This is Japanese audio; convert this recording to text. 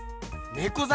ねこざ